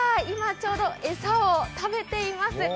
今ちょうど餌を食べています。